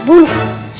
subuh subuh makan bulu